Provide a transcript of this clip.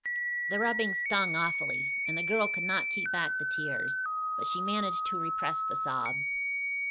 "The rubbing stung awfully, and the girl could not keep back the tears; but she managed to repress the sobs.